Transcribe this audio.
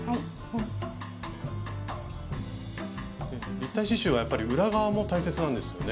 立体刺しゅうはやっぱり裏側も大切なんですよね。